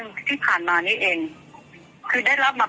แก่เปิดได้เพราะเรามีรหัฐคุณแม่มีรหัฐอยู่แล้ว